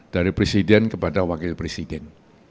dari presiden kepada wakil presiden